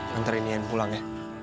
bantarin nian pulang ya